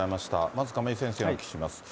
まず亀井先生にお聞きします。